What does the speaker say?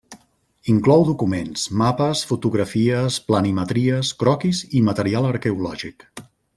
Inclou documents, mapes, fotografies, planimetries, croquis i material arqueològic.